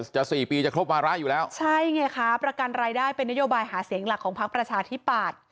จะสี่ปีจะครบวาระอยู่แล้วใช่ไงคะประกันรายได้เป็นนโยบายหาเสียงหลักของพักประชาธิปัตย์